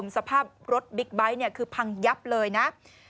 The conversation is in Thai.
สภาพรถบิ๊กไบท์คือพังยับเลยนะ